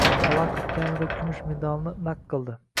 Halokov kamida kumush medalini naqd qildi